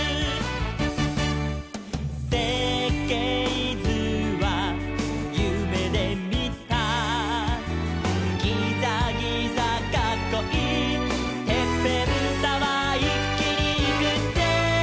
「せっけいずはゆめでみた」「ギザギザかっこいいてっぺんタワー」「いっきにいくぜ」